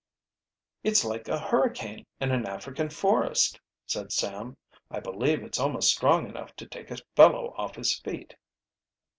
"It's like a hurricane in an African forest," said Sam. "I believe it's almost strong enough to take a fellow off his feet."